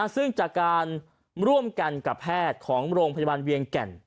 ซึ่งจากการร่วมกันกับแพทย์ของโรงพยาบาลเวียงแก่น